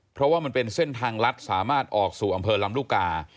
เพราะว่ามันเป็นเส้นทางลัดสามารถออกสู่อำเภอลำลูกกา